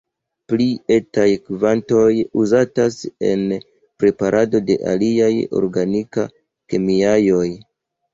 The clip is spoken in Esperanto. Pli etaj kvantoj uzatas en preparado de aliaj organikaj kemiaĵoj.